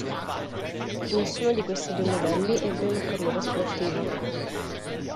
Nessuno di questi due modelli ebbe una carriera sportiva.